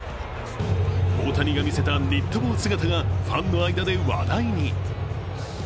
帽子といえば、大谷が見せたニット帽姿がファンの間で話題に。